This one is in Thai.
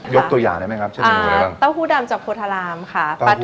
ยกตัวอย่างได้ไหมครับ